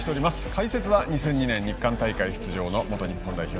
解説は２００２年日韓大会出場の元日本代表